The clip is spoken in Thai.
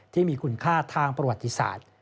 ที่มีคุณค่าทางประวัติศาสตร์